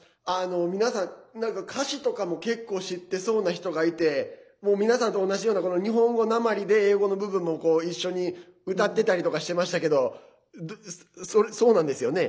皆さん、歌詞とかも結構、知ってそうな人がいてもう皆さんと同じような日本語なまりで英語の部分も一緒に歌ってたりとかしてましたけどそうなんですよね？